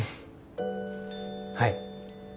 はい。